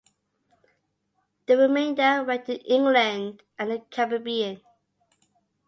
The remainder went to England and the Caribbean.